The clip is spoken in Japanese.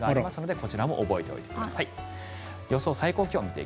こちらも覚えておいてください。